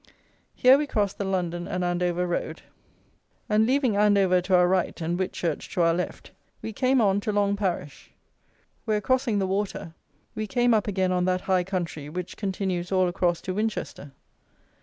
Here we crossed the London and Andover road, and leaving Andover to our right and Whitchurch to our left, we came on to Long Parish, where, crossing the water, we came up again on that high country which continues all across to Winchester.